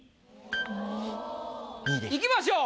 おお。いきましょう。